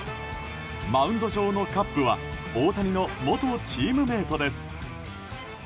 マウンド上のカッブは大谷の元チームメートです。